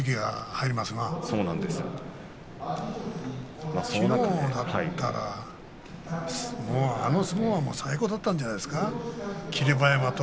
きのうだったら、あの相撲は最高だったんじゃないですか霧馬山。